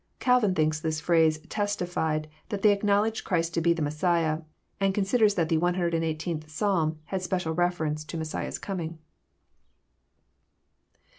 Calvin thinks this phrase testified that they acknowledged Christ to be the Messiah, and considers that the cxviii. Psalm bad special reference to Messiah's coming.